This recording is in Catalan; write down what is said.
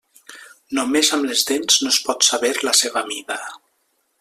Només amb les dents no es pot saber la seva mida.